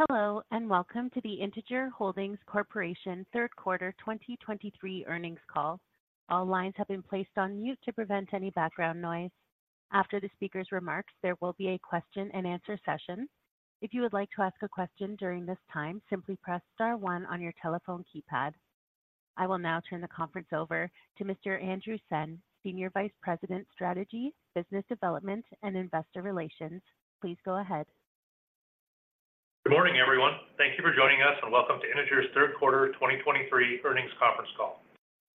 Hello, and welcome to the Integer Holdings Corporation Third Quarter 2023 Earnings Call. All lines have been placed on mute to prevent any background noise. After the speaker's remarks, there will be a question-and-answer session. If you would like to ask a question during this time, simply press star one on your telephone keypad. I will now turn the conference over to Mr. Andrew Senn, Senior Vice President, Strategy, Business Development, and Investor Relations. Please go ahead,. Good morning, everyone. Thank you for joining us, and welcome to Integer's Third Quarter 2023 Earnings Conference Call.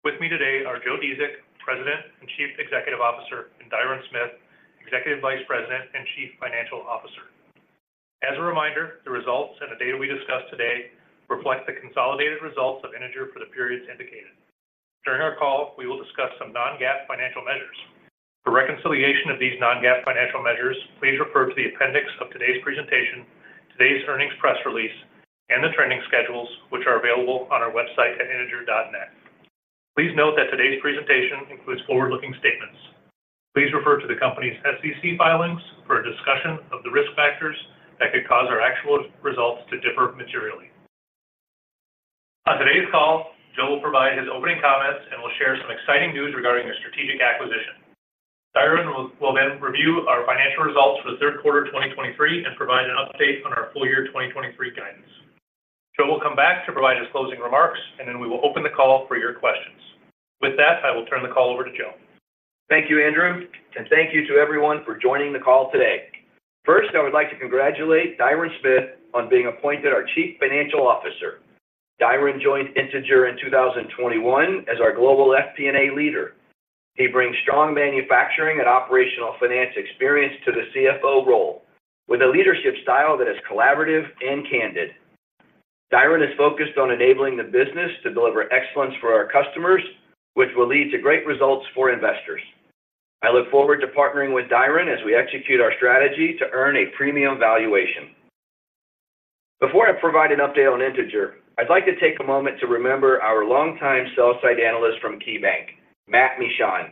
With me today are Joe Dziedzic, President and Chief Executive Officer, and Diron Smith, Executive Vice President and Chief Financial Officer. As a reminder, the results and the data we discuss today reflect the consolidated results of Integer for the periods indicated. During our call, we will discuss some non-GAAP financial measures. For reconciliation of these non-GAAP financial measures, please refer to the appendix of today's presentation, today's earnings press release, and the trending schedules, which are available on our website at integer.net. Please note that today's presentation includes forward-looking statements. Please refer to the company's SEC filings for a discussion of the risk factors that could cause our actual results to differ materially. On today's call, Joe will provide his opening comments and will share some exciting news regarding a strategic acquisition. Diron will then review our financial results for the third quarter of 2023 and provide an update on our full year 2023 guidance. Joe will come back to provide his closing remarks, and then we will open the call for your questions. With that, I will turn the call over to Joe. Thank you, Andrew, and thank you to everyone for joining the call today. First, I would like to congratulate Diron Smith on being appointed our Chief Financial Officer. Diron joined Integer in 2021 as our Global FP&A Leader. He brings strong manufacturing and operational finance experience to the CFO role with a leadership style that is collaborative and candid. Diron is focused on enabling the business to deliver excellence for our customers, which will lead to great results for investors. I look forward to partnering with Diron as we execute our strategy to earn a premium valuation. Before I provide an update on Integer, I'd like to take a moment to remember our longtime sell-side analyst from KeyBank, Matt Miksic,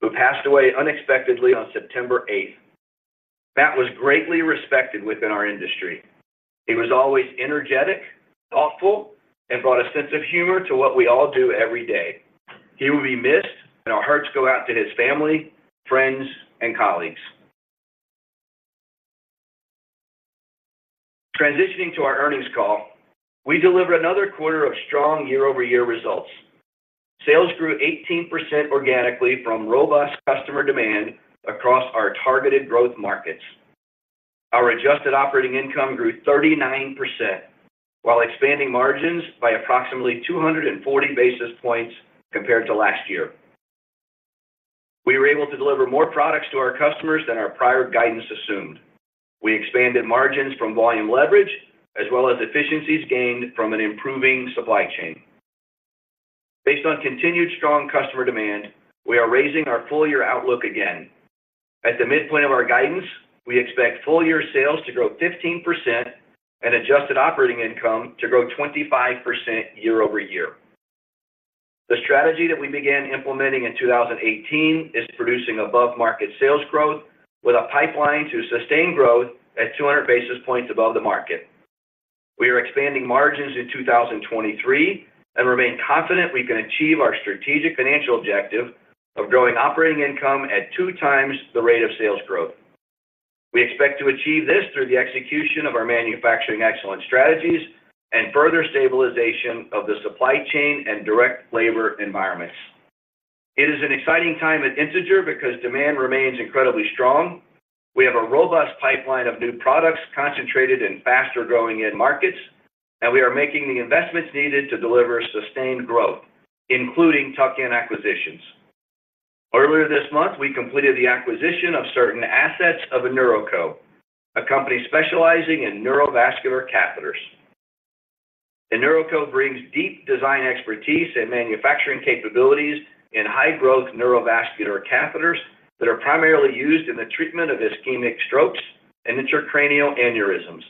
who passed away unexpectedly on 8 September. Matt was greatly respected within our industry. He was always energetic, thoughtful, and brought a sense of humor to what we all do every day. He will be missed, and our hearts go out to his family, friends, and colleagues. Transitioning to our earnings call, we delivered another quarter of strong year-over-year results. Sales grew 18% organically from robust customer demand across our targeted growth markets. Our adjusted operating income grew 39% while expanding margins by approximately 240 basis points compared to last year. We were able to deliver more products to our customers than our prior guidance assumed. We expanded margins from volume leverage, as well as efficiencies gained from an improving supply chain. Based on continued strong customer demand, we are raising our full year outlook again. At the midpoint of our guidance, we expect full year sales to grow 15% and adjusted operating income to grow 25% year-over-year. The strategy that we began implementing in 2018 is producing above-market sales growth, with a pipeline to sustain growth at 200 basis points above the market. We are expanding margins in 2023 and remain confident we can achieve our strategic financial objective of growing operating income at two times the rate of sales growth. We expect to achieve this through the execution of our manufacturing excellence strategies and further stabilization of the supply chain and direct labor environments. It is an exciting time at Integer because demand remains incredibly strong. We have a robust pipeline of new products concentrated in faster-growing end markets, and we are making the investments needed to deliver sustained growth, including tuck-in acquisitions. Earlier this month, we completed the acquisition of certain assets of InNeuroCo, a company specializing in neurovascular catheters. InNeuroCo brings deep design expertise and manufacturing capabilities in high-growth neurovascular catheters that are primarily used in the treatment of ischemic strokes and intracranial aneurysms.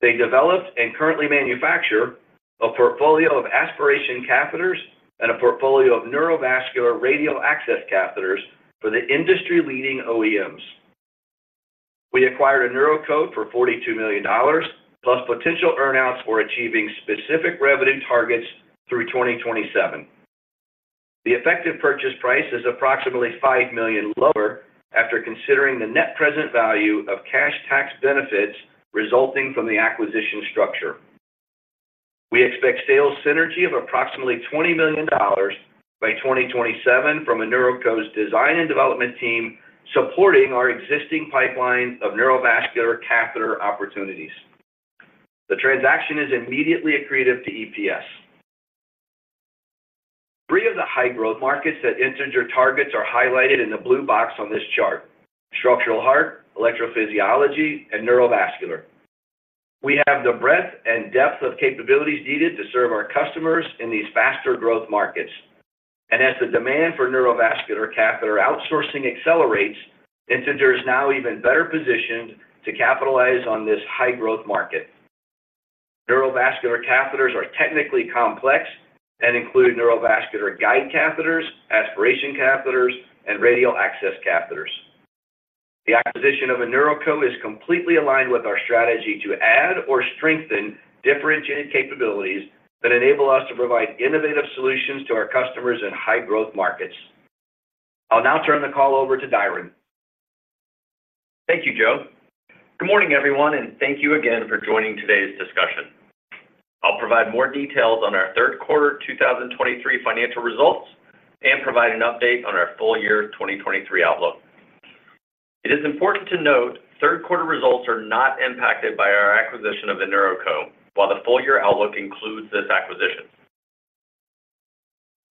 They developed and currently manufacture a portfolio of aspiration catheters and a portfolio of neurovascular radial access catheters for the industry-leading OEMs. We acquired InNeuroCo for $42 million, plus potential earn-outs for achieving specific revenue targets through 2027. The effective purchase price is approximately $5 million lower after considering the net present value of cash tax benefits resulting from the acquisition structure. We expect sales synergy of approximately $20 million by 2027 from InNeuroCo's design and development team, supporting our existing pipeline of neurovascular catheter opportunities. The transaction is immediately accretive to EPS. Three of the high-growth markets that Integer targets are highlighted in the blue box on this chart: structural heart, electrophysiology, and neurovascular. We have the breadth and depth of capabilities needed to serve our customers in these faster growth markets. And as the demand for neurovascular catheter outsourcing accelerates, Integer is now even better positioned to capitalize on this high-growth market. Neurovascular catheters are technically complex and include neurovascular guide catheters, aspiration catheters, and radial access catheters. The acquisition of InNeuroCo is completely aligned with our strategy to add or strengthen differentiated capabilities that enable us to provide innovative solutions to our customers in high-growth markets. I'll now turn the call over to Diron. Thank you, Joe. Good morning, everyone, and thank you again for joining today's discussion. I'll provide more details on our third quarter 2023 financial results and provide an update on our full-year 2023 outlook. It is important to note. Third quarter results are not impacted by our acquisition of InNeuroCo, while the full-year outlook includes this acquisition.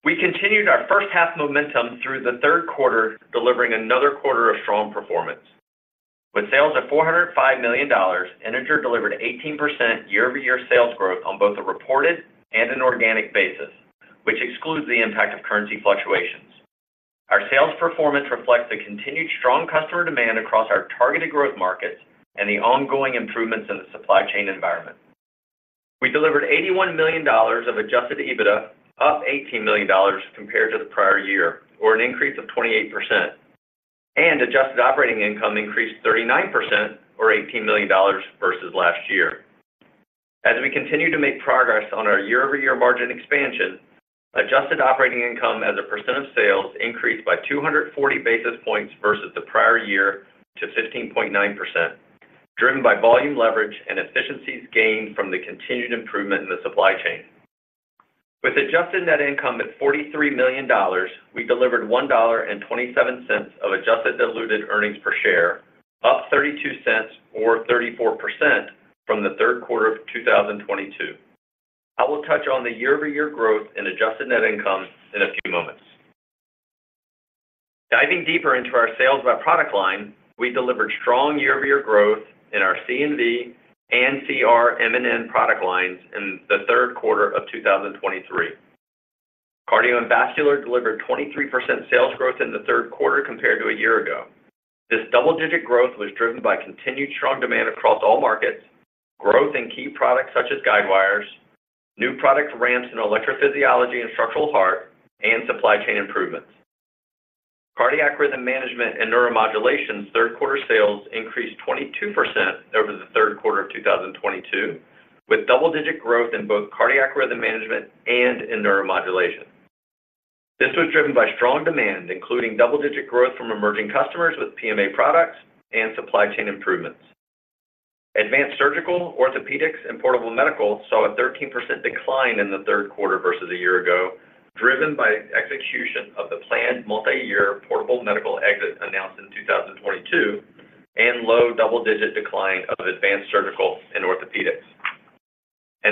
We continued our first half momentum through the third quarter, delivering another quarter of strong performance. With sales of $405 million, Integer delivered 18% year-over-year sales growth on both a reported and an organic basis, which excludes the impact of currency fluctuations. Our sales performance reflects the continued strong customer demand across our targeted growth markets and the ongoing improvements in the supply chain environment. We delivered $81 million of adjusted EBITDA, up $18 million compared to the prior year, or an increase of 28%. Adjusted operating income increased 39% or $18 million versus last year. As we continue to make progress on our year-over-year margin expansion, adjusted operating income as a percent of sales increased by 240 basis points versus the prior year to 15.9%, driven by volume leverage and efficiencies gained from the continued improvement in the supply chain. With adjusted net income at $43 million, we delivered $1.27 of adjusted diluted earnings per share, up $0.32 or 34% from the third quarter of 2022. I will touch on the year-over-year growth in adjusted net income in a few moments. Diving deeper into our sales by product line, we delivered strong year-over-year growth in our C&V and CRM&N product lines in the third quarter of 2023. Cardio and Vascular delivered 23% sales growth in the third quarter compared to a year ago. This double-digit growth was driven by continued strong demand across all markets, growth in key products such as guidewires, new product ramps in electrophysiology and structural heart, and supply chain improvements. Cardiac Rhythm Management and Neuromodulation's third quarter sales increased 22% over the third quarter of 2022, with double-digit growth in both cardiac rhythm management and in neuromodulation. This was driven by strong demand, including double-digit growth from emerging customers with PMA products and supply chain improvements. Advanced Surgical, Orthopedics, and Portable Medical saw a 13% decline in the third quarter versus a year ago, driven by execution of the planned multi-year portable medical exit announced in 2022, and low double-digit decline of advanced surgical and orthopedics.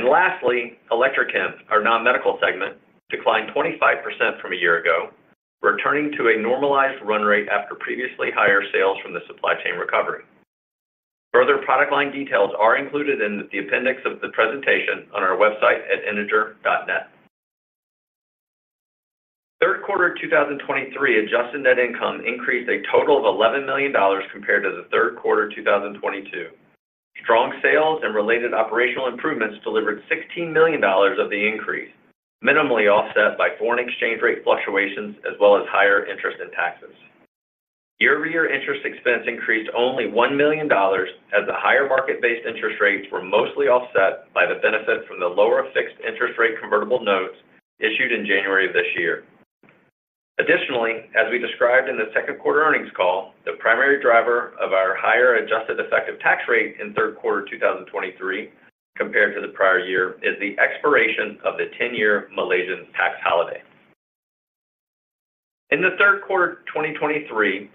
Lastly, Electrochem, our non-medical segment, declined 25% from a year ago, returning to a normalized run rate after previously higher sales from the supply chain recovery. Further product line details are included in the appendix of the presentation on our website at integer.net. Third quarter 2023 adjusted net income increased a total of $11 million compared to the third quarter 2022. Strong sales and related operational improvements delivered $16 million of the increase, minimally offset by foreign exchange rate fluctuations, as well as higher interest and taxes. Year-over-year interest expense increased only $1 million, as the higher market-based interest rates were mostly offset by the benefit from the lower fixed interest rate convertible notes issued in January of this year. Additionally, as we described in the second quarter earnings call, the primary driver of our higher adjusted effective tax rate in third quarter 2023, compared to the prior year, is the expiration of the ten-year Malaysian tax holiday. In the third quarter of 2023,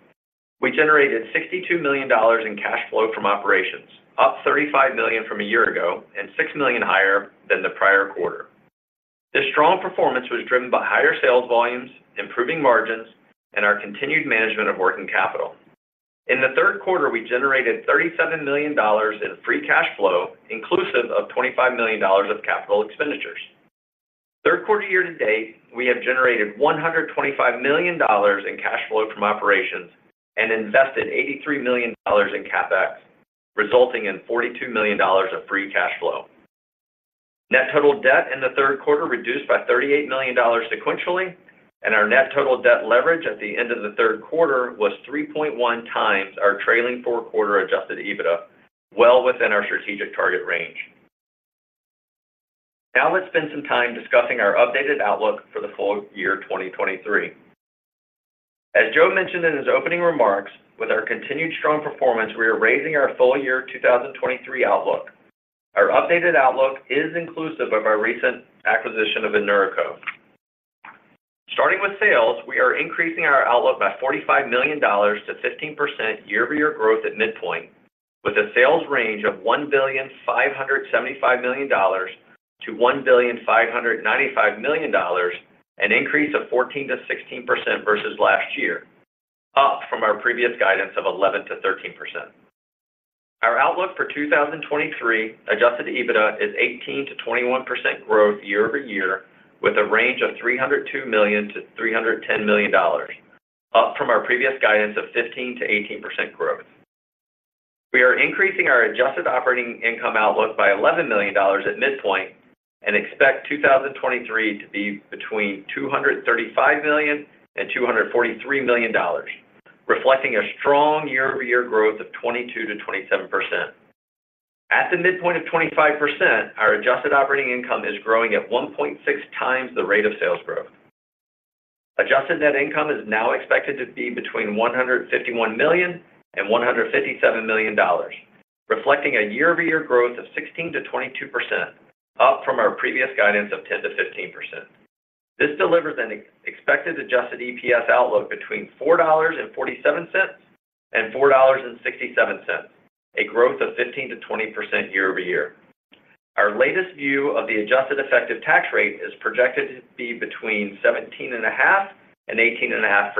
we generated $62 million in cash flow from operations, up $35 million from a year ago and $6 million higher than the prior quarter. This strong performance was driven by higher sales volumes, improving margins, and our continued management of working capital. In the third quarter, we generated $37 million in free cash flow, inclusive of $25 million of capital expenditures. Third quarter year to date, we have generated $125 million in cash flow from operations and invested $83 million in CapEx, resulting in $42 million of free cash flow. Net total debt in the third quarter reduced by $38 million sequentially, and our net total debt leverage at the end of the third quarter was 3.1 times our trailing four-quarter adjusted EBITDA, well within our strategic target range. Now, let's spend some time discussing our updated outlook for the full year 2023. As Joe mentioned in his opening remarks, with our continued strong performance, we are raising our full year 2023 outlook. Our updated outlook is inclusive of our recent acquisition of InNeuroCo. Starting with sales, we are increasing our outlook by $45 million to 15% year-over-year growth at midpoint, with a sales range of $1.575 billion-$1.595 billion, an increase of 14%-16% versus last year, up from our previous guidance of 11%-13%. Our outlook for 2023, Adjusted EBITDA, is 18%-21% growth year-over-year, with a range of $302 million to $310 million, up from our previous guidance of 15%-18% growth. We are increasing our Adjusted Operating Income outlook by $11 million at midpoint and expect 2023 to be between $235 million and $243 million, reflecting a strong year-over-year growth of 22%-27%. At the midpoint of 25%, our Adjusted Operating Income is growing at 1.6 times the rate of sales growth. Adjusted Net Income is now expected to be between $151 million and $157 million, reflecting a year-over-year growth of 16%-22%, up from our previous guidance of 10%-15%. This delivers an expected Adjusted EPS outlook between $4.47 and $4.67, a growth of 15%-20% year-over-year. Our latest view of the adjusted effective tax rate is projected to be between 17.5% and 18.5%.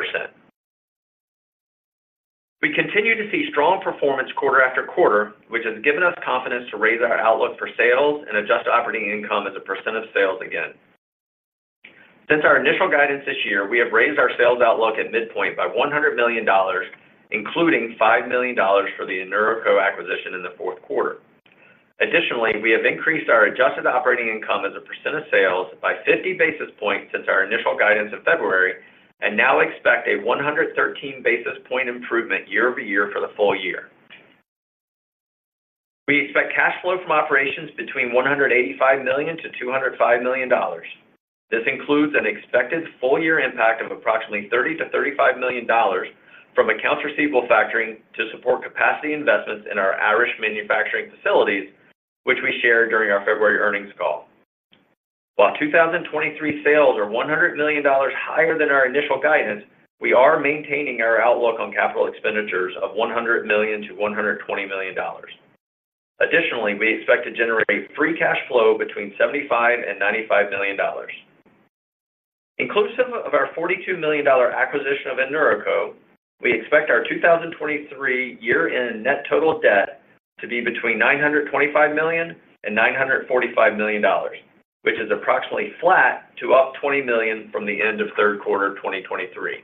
We continue to see strong performance quarter after quarter, which has given us confidence to raise our outlook for sales and adjusted operating income as a percent of sales again. Since our initial guidance this year, we have raised our sales outlook at midpoint by $100 million, including $5 million for the InNeuroCo acquisition in the fourth quarter. Additionally, we have increased our adjusted operating income as a percent of sales by 50 basis points since our initial guidance in February, and now expect a 113 basis point improvement year-over-year for the full year. We expect cash flow from operations between $185 million and $205 million. This includes an expected full year impact of approximately $30-$35 million from accounts receivable factoring to support capacity investments in our Irish manufacturing facilities, which we shared during our February earnings call. While 2023 sales are $100 million higher than our initial guidance, we are maintaining our outlook on capital expenditures of $100-$120 million. Additionally, we expect to generate free cash flow between $75-$95 million. Inclusive of our $42 million acquisition of InNeuroCo, we expect our 2023 year-end net total debt to be between $925-$945 million, which is approximately flat to up $20 million from the end of third quarter of 2023.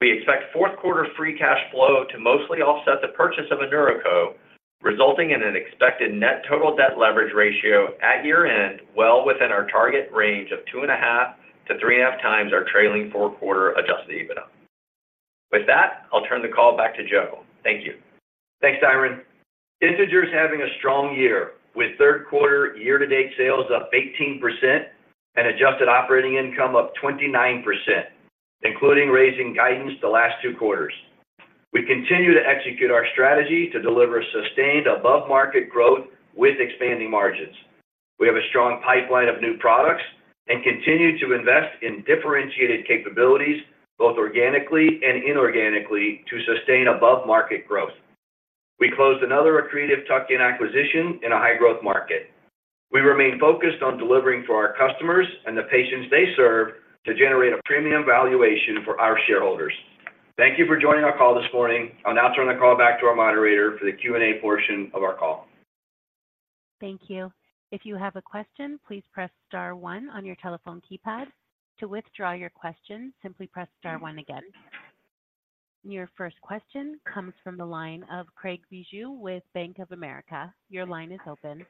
We expect fourth quarter free cash flow to mostly offset the purchase of InNeuroCo, resulting in an expected net total debt leverage ratio at year-end, well within our target range of 2.5x to 3.5x our trailing four-quarter Adjusted EBITDA. With that, I'll turn the call back to Joe. Thank you. Thanks, Diron. Integer is having a strong year, with third quarter year-to-date sales up 18% and adjusted operating income up 29%, including raising guidance the last two quarters. We continue to execute our strategy to deliver sustained above-market growth with expanding margins. We have a strong pipeline of new products and continue to invest in differentiated capabilities, both organically and inorganically, to sustain above-market growth. We closed another accretive tuck-in acquisition in a high-growth market. We remain focused on delivering for our customers and the patients they serve to generate a premium valuation for our shareholders. Thank you for joining our call this morning. I'll now turn the call back to our moderator for the Q&A portion of our call. Thank you. If you have a question, please press star one on your telephone keypad. To withdraw your question, simply press star one again. Your first question comes from the line of Craig Bijou with Bank of America. Your line is open.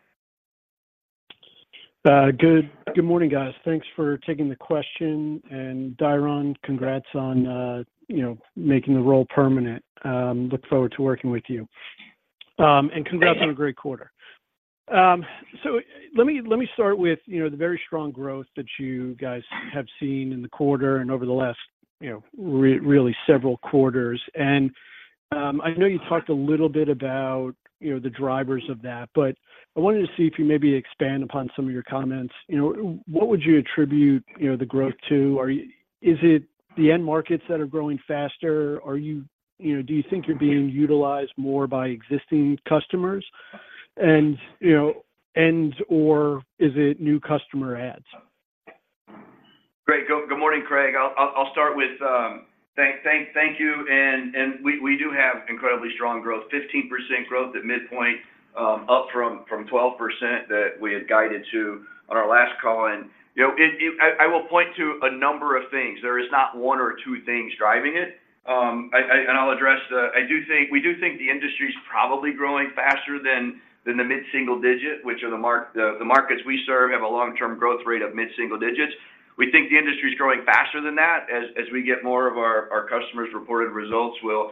Good morning, guys. Thanks for taking the question, and Diron, congrats on, you know, making the role permanent. Look forward to working with you. And congrats on a great quarter. So let me start with, you know, the very strong growth that you guys have seen in the quarter and over the last, you know, really several quarters. And I know you talked a little bit about, you know, the drivers of that, but I wanted to see if you maybe expand upon some of your comments. You know, what would you attribute, you know, the growth to? Is it the end markets that are growing faster? You know, do you think you're being utilized more by existing customers? And, you know, and/or is it new customer adds? Great. Good morning, Craig. I'll start with thank you. And we do have incredibly strong growth, 15% growth at midpoint, up from 12% that we had guided to on our last call. And, you know, it. I will point to a number of things. There is not one or two things driving it. And I'll address the. I do think we think the industry is probably growing faster than the mid-single digit, which the markets we serve have a long-term growth rate of mid-single digits. We think the industry is growing faster than that. As we get more of our customers' reported results, we'll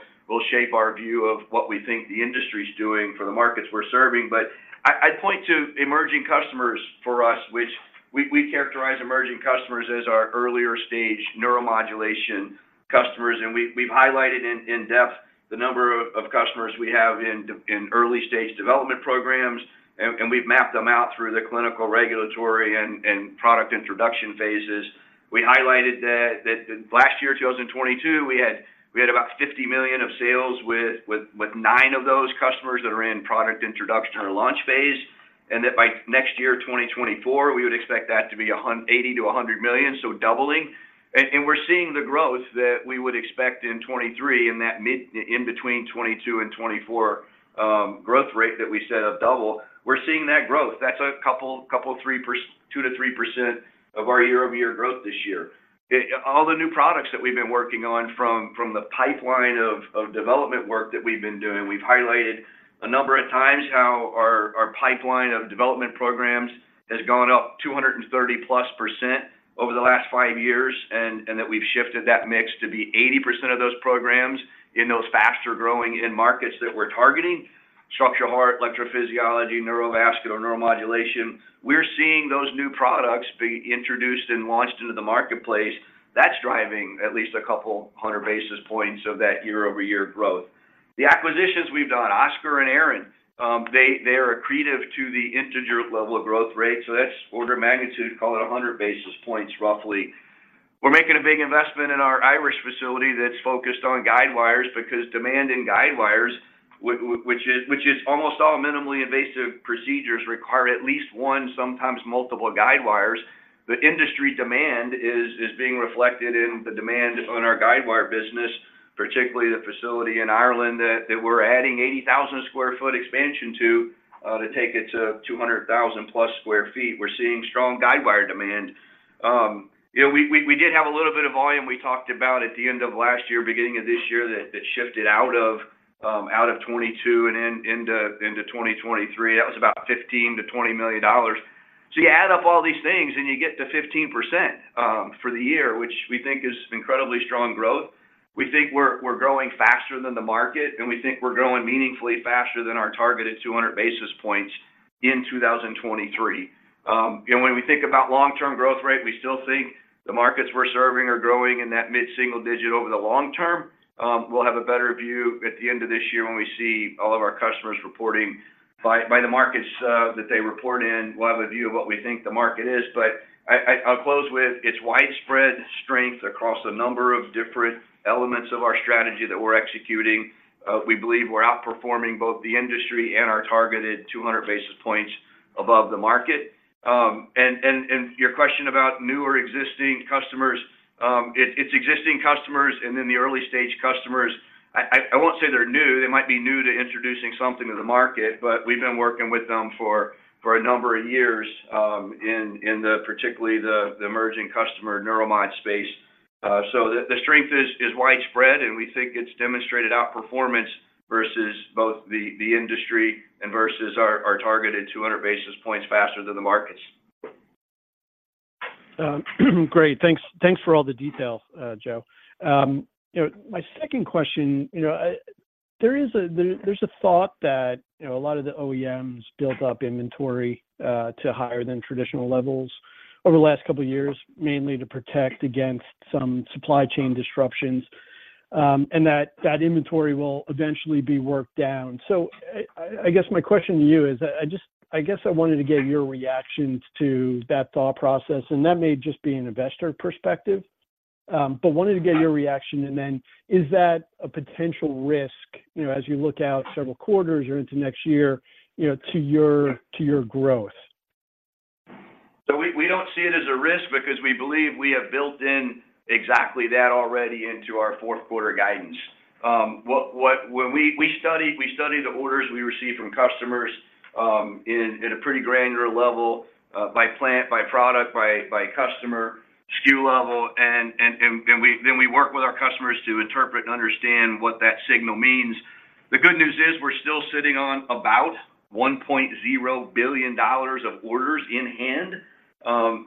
shape our view of what we think the industry is doing for the markets we're serving. But I'd point to emerging customers for us, which we characterize as our earlier stage neuromodulation customers. And we've highlighted in-depth the number of customers we have in early stage development programs, and we've mapped them out through the clinical, regulatory, and product introduction phases. We highlighted that last year, 2022, we had about $50 million of sales with nine of those customers that are in product introduction or launch phase. And that by next year, 2024, we would expect that to be $80 million to $100 million, so doubling. And we're seeing the growth that we would expect in 2023, in that mid between 2022 and 2024, growth rate that we said of double. We're seeing that growth. That's a couple, couple, 3%, 2-3% of our year-over-year growth this year. All the new products that we've been working on from the pipeline of development work that we've been doing, we've highlighted a number of times how our pipeline of development programs has gone up 230+% over the last five years, and that we've shifted that mix to be 80% of those programs in those faster-growing end markets that we're targeting: structural heart, electrophysiology, neurovascular, neuromodulation. We're seeing those new products being introduced and launched into the marketplace. That's driving at least a couple hundred basis points of that year-over-year growth. The acquisitions we've done, Oscor and Aran, they are accretive to the Integer level of growth rate, so that's order of magnitude, call it 100 basis points, roughly. We're making a big investment in our Irish facility that's focused on guidewires, because demand in guidewires, which is almost all minimally invasive procedures, require at least one, sometimes multiple guidewires. The industry demand is being reflected in the demand on our guidewire business, particularly the facility in Ireland that we're adding 80,000-sq ft expansion to, to take it to 200,000+ sq ft. We're seeing strong guidewire demand. You know, we did have a little bit of volume we talked about at the end of last year, beginning of this year, that shifted out of 2022 and into 2023. That was about $15 million to $20 million. So you add up all these things and you get to 15%, for the year, which we think is incredibly strong growth. We think we're, we're growing faster than the market, and we think we're growing meaningfully faster than our targeted 200 basis points in 2023. And when we think about long-term growth rate, we still think the markets we're serving are growing in that mid-single digit over the long term. We'll have a better view at the end of this year when we see all of our customers reporting. By the markets that they report in, we'll have a view of what we think the market is. But I'll close with, it's widespread strength across a number of different elements of our strategy that we're executing. We believe we're outperforming both the industry and our targeted 200 basis points above the market. And your question about new or existing customers, it's existing customers, and then the early stage customers, I won't say they're new. They might be new to introducing something to the market, but we've been working with them for a number of years in particularly the emerging customer neuromod space. So the strength is widespread, and we think it's demonstrated outperformance versus both the industry and versus our targeted 200 basis points faster than the markets. Great. Thanks, thanks for all the details, Joe. You know, my second question, you know, there is a thought that, you know, a lot of the OEMs built up inventory to higher than traditional levels over the last couple of years, mainly to protect against some supply chain disruptions, and that inventory will eventually be worked down. So I guess my question to you is, I just I guess I wanted to get your reactions to that thought process, and that may just be an investor perspective, but wanted to get your reaction, and then is that a potential risk, you know, as you look out several quarters or into next year, you know, to your growth? So we don't see it as a risk because we believe we have built in exactly that already into our fourth quarter guidance. What when we study the orders we receive from customers in a pretty granular level by plant, by product, by customer, SKU level, and we then work with our customers to interpret and understand what that signal means. The good news is, we're still sitting on about $1.0 billion of orders in hand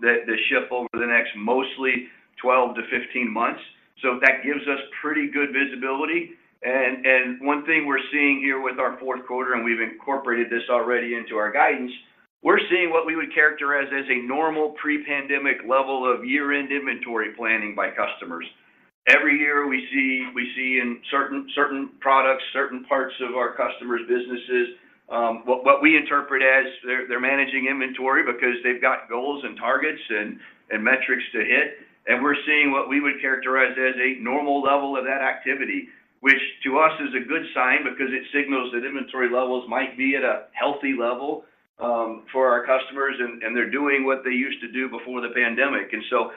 that ship over the next mostly 12-15 months. So that gives us pretty good visibility. And one thing we're seeing here with our fourth quarter, and we've incorporated this already into our guidance, we're seeing what we would characterize as a normal pre-pandemic level of year-end inventory planning by customers. Every year, we see in certain products, certain parts of our customers' businesses, what we interpret as they're managing inventory because they've got goals and targets and metrics to hit. And we're seeing what we would characterize as a normal level of that activity, which to us is a good sign because it signals that inventory levels might be at a healthy level for our customers, and they're doing what they used to do before the pandemic. And so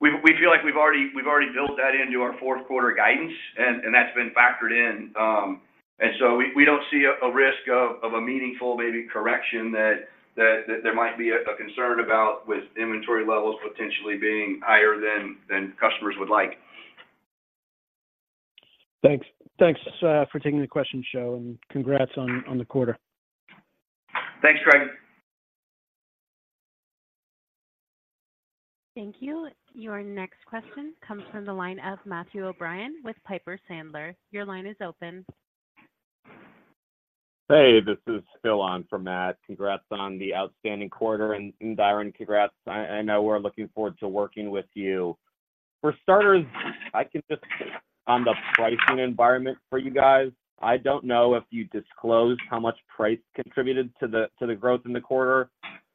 we feel like we've already built that into our fourth quarter guidance, and that's been factored in. And so we don't see a risk of a meaningful maybe correction that there might be a concern about with inventory levels potentially being higher than customers would like. Thanks. Thanks, for taking the question, Joe, and congrats on, on the quarter. Thanks, Greg. Thank you. Your next question comes from the line of Matthew O'Brien with Piper Sandler. Your line is open. Hey, this is Phil on for Matt. Congrats on the outstanding quarter, and Diron, congrats. I know we're looking forward to working with you. For starters, on the pricing environment for you guys, I don't know if you disclosed how much price contributed to the growth in the quarter,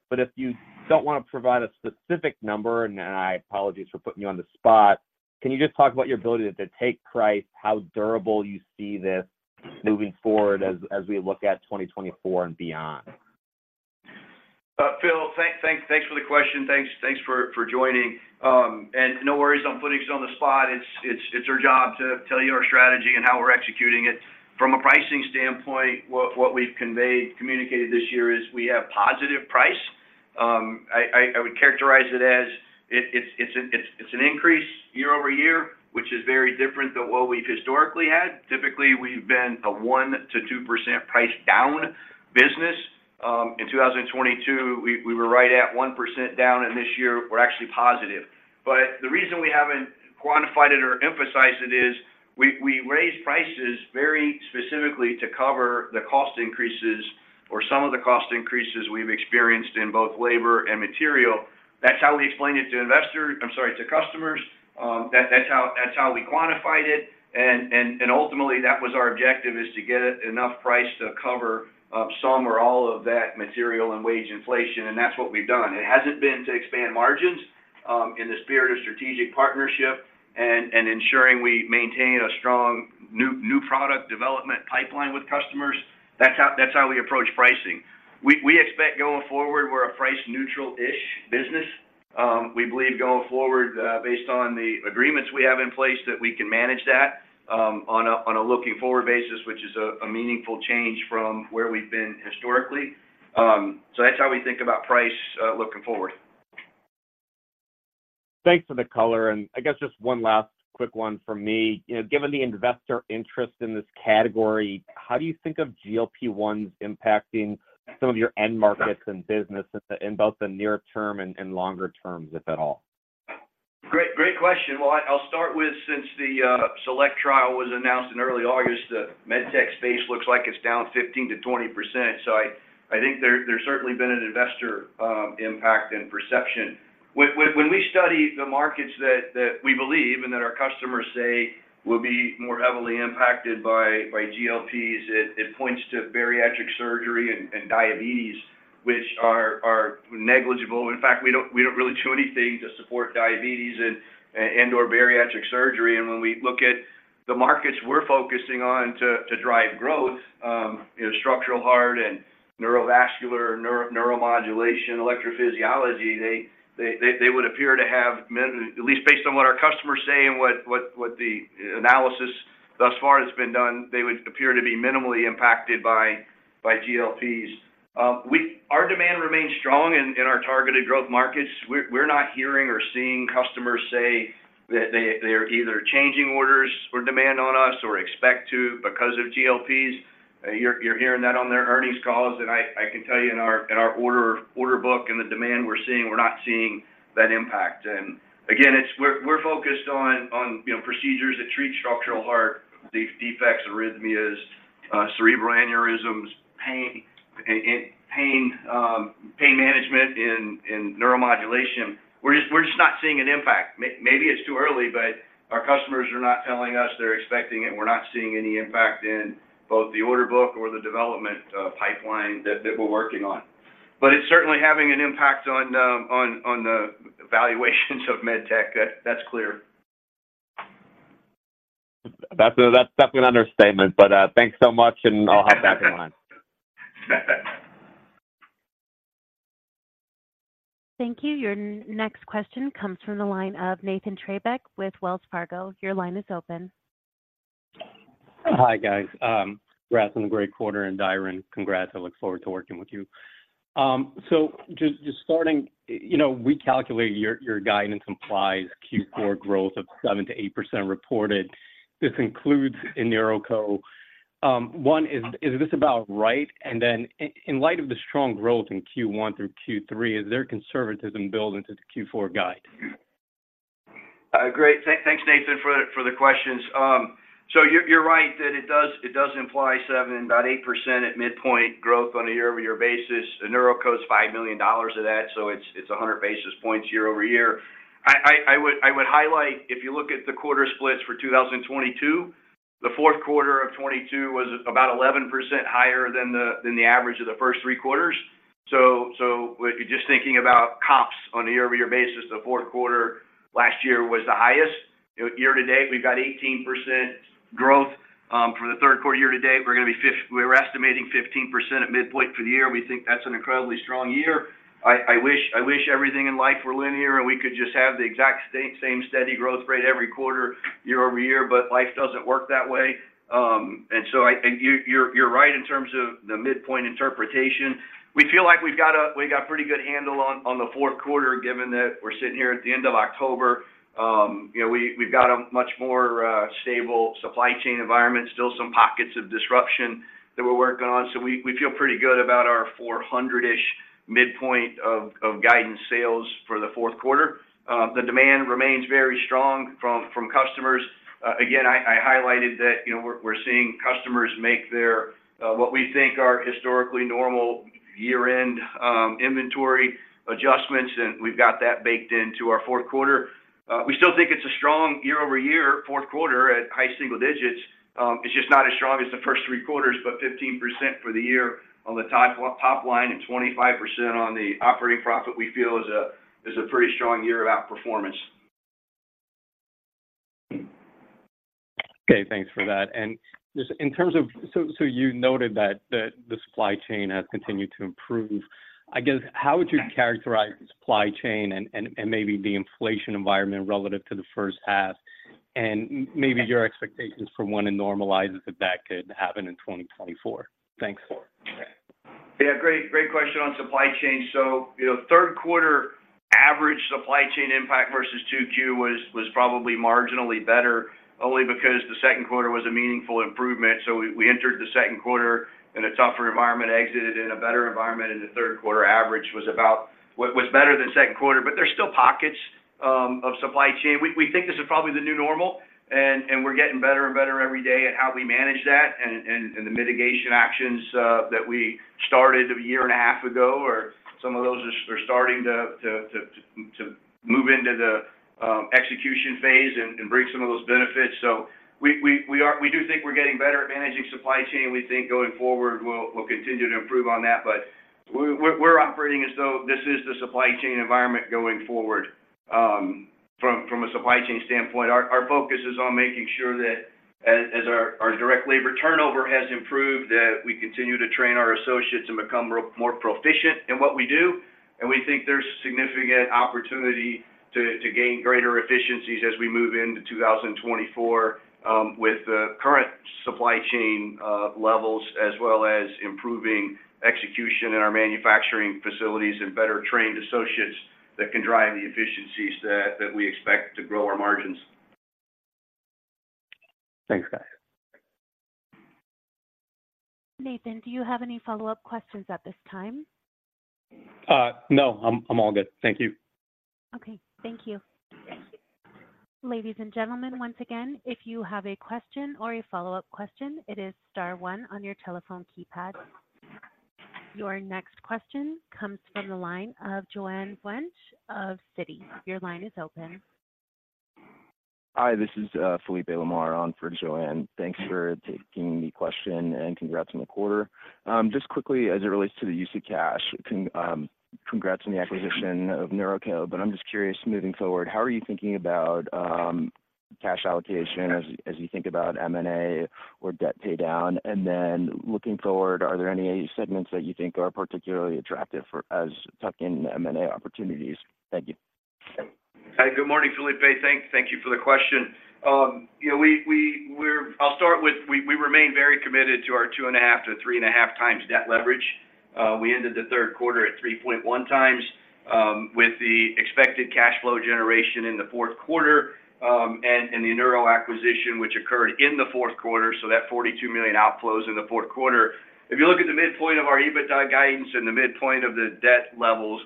but if you don't want to provide a specific number, and I apologize for putting you on the spot, can you just talk about your ability to take price, how durable you see this moving forward as we look at 2024 and beyond? Phil, thanks for the question. Thanks for joining. And no worries on putting us on the spot. It's our job to tell you our strategy and how we're executing it. From a pricing standpoint, what we've communicated this year is we have positive price. I would characterize it as it's an increase year over year, which is very different than what we've historically had. Typically, we've been a 1%-2% price down business. In 2022, we were right at 1% down, and this year we're actually positive. But the reason we haven't quantified it or emphasized it is we raised prices very specifically to cover the cost increases or some of the cost increases we've experienced in both labor and material. That's how we explained it to investors... I'm sorry, to customers. That, that's how we quantified it, and ultimately, that was our objective, is to get it enough price to cover up some or all of that material and wage inflation, and that's what we've done. It hasn't been to expand margins, in the spirit of strategic partnership and ensuring we maintain a strong new product development pipeline with customers. That's how we approach pricing. We expect going forward, we're a price neutral-ish business. We believe going forward, based on the agreements we have in place, that we can manage that, on a looking forward basis, which is a meaningful change from where we've been historically. So that's how we think about price, looking forward. Thanks for the color. I guess just one last quick one from me. You know, given the investor interest in this category, how do you think of GLP-1s impacting some of your end markets and business in both the near term and longer term, if at all? Great, great question. Well, I'll start with, since the SELECT trial was announced in early August, the med tech space looks like it's down 15%-20%. So I think there, there's certainly been an investor impact and perception. When we study the markets that we believe and that our customers say will be more heavily impacted by GLPs, it points to bariatric surgery and diabetes, which are negligible. In fact, we don't really do anything to support diabetes and/or bariatric surgery. When we look at the markets we're focusing on to drive growth, you know, structural heart and neurovascular, neuromodulation, electrophysiology, they would appear to be minimally impacted by GLPs, at least based on what our customers say and what the analysis thus far has been done. Our demand remains strong in our targeted growth markets. We're not hearing or seeing customers say that they're either changing orders or demand on us or expect to because of GLPs. You're hearing that on their earnings calls, and I can tell you in our order book and the demand we're seeing, we're not seeing that impact. And again, we're focused on, you know, procedures that treat structural heart defects, arrhythmias, cerebral aneurysms, pain, and pain management in neuromodulation. We're just not seeing an impact. Maybe it's too early, but our customers are not telling us they're expecting it, and we're not seeing any impact in both the order book or the development pipeline that we're working on. But it's certainly having an impact on the valuations of med tech. That's clear. That's, that's definitely an understatement, but, thanks so much, and I'll hop back in line. Thank you. Your next question comes from the line of Nathan Treybeck with Wells Fargo. Your line is open. Hi, guys. Congrats on the great quarter, and Diron, congrats. I look forward to working with you. So just starting, you know, we calculate your guidance implies Q4 growth of 7%-8% reported. This includes InNeuroCo. One, is this about right? And then in light of the strong growth in Q1 through Q3, is there conservatism built into the Q4 guide? Great. Thanks, Nathan, for the questions. So you're right that it does imply seven, about 8% at midpoint growth on a year-over-year basis. InNeuroCo is $5 million of that, so it's 100 basis points year over year. I would highlight, if you look at the quarter splits for 2022, the fourth quarter of 2022 was about 11% higher than the average of the first three quarters. So if you're just thinking about comps on a year-over-year basis, the fourth quarter last year was the highest. Year to date, we've got 18% growth. For the third quarter year to date, we're estimating 15% at midpoint for the year. We think that's an incredibly strong year. I wish everything in life were linear, and we could just have the exact same steady growth rate every quarter, year-over-year, but life doesn't work that way. And so you're right in terms of the midpoint interpretation. We feel like we've got a pretty good handle on the fourth quarter, given that we're sitting here at the end of October. You know, we've got a much more stable supply chain environment, still some pockets of disruption that we're working on, so we feel pretty good about our 400-ish midpoint of guidance sales for the fourth quarter. The demand remains very strong from customers. Again, I highlighted that, you know, we're seeing customers make their what we think are historically normal year-end inventory adjustments, and we've got that baked into our fourth quarter. We still think it's a strong year-over-year fourth quarter at high single digits. It's just not as strong as the first three quarters, but 15% for the year on the top line and 25% on the operating profit, we feel is a pretty strong year of outperformance. Okay, thanks for that. And just in terms of, so you noted that the supply chain has continued to improve. I guess, how would you characterize the supply chain and maybe the inflation environment relative to the first half, and maybe your expectations for when it normalizes, if that could happen in 2024? Thanks. Yeah, great, great question on supply chain. So, you know, third quarter average supply chain impact versus 2Q was probably marginally better, only because the second quarter was a meaningful improvement. So we entered the second quarter in a tougher environment, exited in a better environment, and the third quarter average was about what was better than second quarter. But there's still pockets of supply chain. We think this is probably the new normal, and we're getting better and better every day at how we manage that, and the mitigation actions that we started a year and a half ago, some of those are starting to move into the execution phase and bring some of those benefits. So we are—we do think we're getting better at managing supply chain. We think going forward, we'll continue to improve on that, but we're operating as though this is the supply chain environment going forward. From a supply chain standpoint, our focus is on making sure that as our direct labor turnover has improved, that we continue to train our associates and become more proficient in what we do. And we think there's significant opportunity to gain greater efficiencies as we move into 2024, with the current supply chain levels, as well as improving execution in our manufacturing facilities and better trained associates that can drive the efficiencies that we expect to grow our margins. Thanks, guys. Nathan, do you have any follow-up questions at this time? No, I'm all good. Thank you. Okay, thank you. Ladies and gentlemen, once again, if you have a question or a follow-up question, it is star one on your telephone keypad. Your next question comes from the line of Joanne Wuensch of Citi. Your line is open. Hi, this is Felipe Lama on for Joanne. Thanks for taking the question, and congrats on the quarter. Just quickly, as it relates to the use of cash, congrats on the acquisition of InNeuroCo, but I'm just curious, moving forward, how are you thinking about cash allocation as you think about M&A or debt paydown? And then looking forward, are there any segments that you think are particularly attractive for tuck-in M&A opportunities? Thank you. Hi, good morning, Felipe. Thanks. Thank you for the question. You know, we remain very committed to our 2.5-3.5 times debt leverage. We ended the third quarter at 3.1 times, with the expected cash flow generation in the fourth quarter, and in the InNeuroCo acquisition, which occurred in the fourth quarter, so that $42 million outflows in the fourth quarter. If you look at the midpoint of our EBITDA guidance and the midpoint of the debt levels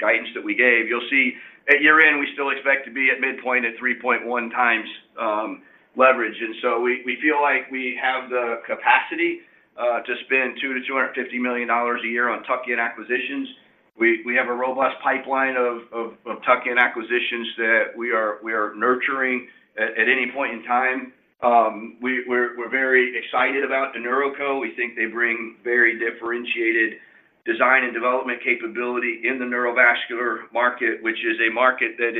guidance that we gave, you'll see at year-end, we still expect to be at midpoint at 3.1 times leverage. And so we feel like we have the capacity to spend $200 million to $250 million a year on tuck-in acquisitions. We have a robust pipeline of tuck-in acquisitions that we are nurturing at any point in time. We're very excited about the InNeuroCo. We think they bring very differentiated design and development capability in the neurovascular market, which is a market that,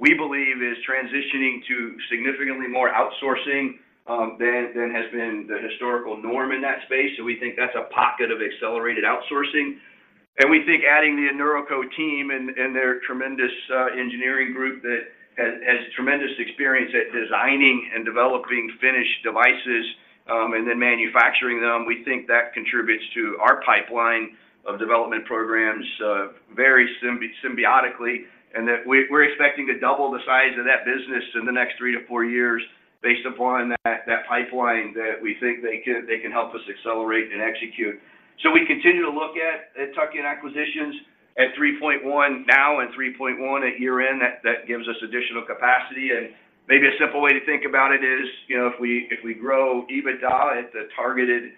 we believe, is transitioning to significantly more outsourcing than has been the historical norm in that space. So we think that's a pocket of accelerated outsourcing. We think adding InNeuroCo team and their tremendous engineering group that has tremendous experience at designing and developing finished devices, and then manufacturing them, we think that contributes to our pipeline of development programs, very symbiotically, and that we're expecting to double the size of that business in the next three to four years based upon that pipeline that we think they can help us accelerate and execute. So we continue to look at tuck-in acquisitions at 3.1 now and 3.1 at year-end. That gives us additional capacity. Maybe a simple way to think about it is, you know, if we, if we grow EBITDA at the targeted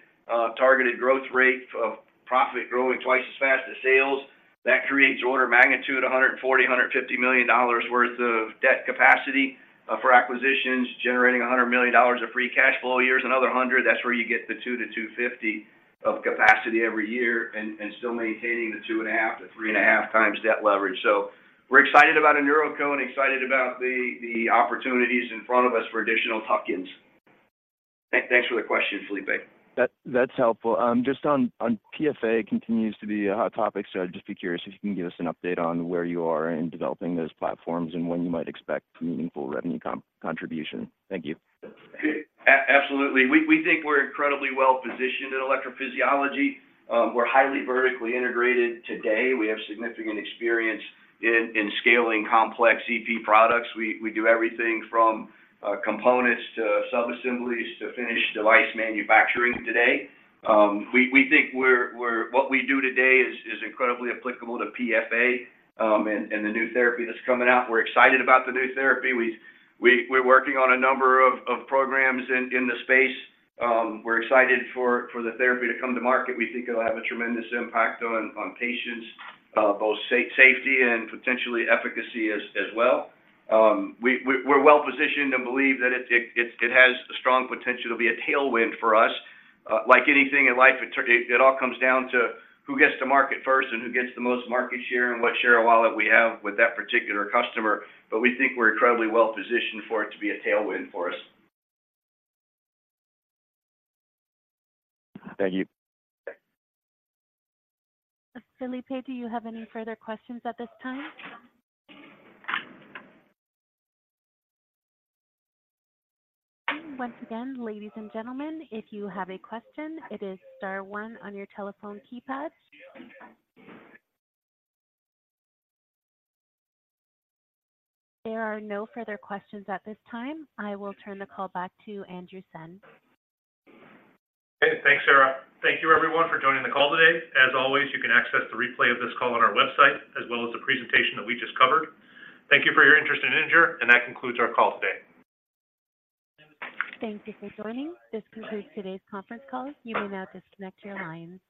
targeted growth rate of profit growing twice as fast as sales, that creates order of magnitude, 140, 150 million dollars worth of debt capacity for acquisitions, generating 100 million dollars of free cash flow, here's another 100. That's where you get the 200 to 250 of capacity every year and still maintaining the 2.5 to 3.5 times debt leverage. So we're excited about InNeuroCo and excited about the opportunities in front of us for additional tuck-ins. Thanks for the question, Felipe. That, that's helpful. Just on PFA continues to be a hot topic, so I'd just be curious if you can give us an update on where you are in developing those platforms and when you might expect meaningful revenue contribution. Thank you. Absolutely. We think we're incredibly well-positioned in electrophysiology. We're highly vertically integrated today. We have significant experience in scaling complex EP products. We do everything from components to subassemblies to finished device manufacturing today. We think what we do today is incredibly applicable to PFA and the new therapy that's coming out. We're excited about the new therapy. We're working on a number of programs in the space. We're excited for the therapy to come to market. We think it'll have a tremendous impact on patients, both safety and potentially efficacy as well. We're well-positioned and believe that it has a strong potential to be a tailwind for us. Like anything in life, it all comes down to who gets to market first and who gets the most market share and what share of wallet we have with that particular customer. But we think we're incredibly well-positioned for it to be a tailwind for us. Thank you. Okay. Felipe, do you have any further questions at this time? Once again, ladies and gentlemen, if you have a question, it is star one on your telephone keypad. There are no further questions at this time. I will turn the call back to Andrew Senn. Hey, thanks, Sarah. Thank you, everyone, for joining the call today. As always, you can access the replay of this call on our website, as well as the presentation that we just covered. Thank you for your interest in Integer, and that concludes our call today. Thank you for joining. This concludes today's conference call. You may now disconnect your lines.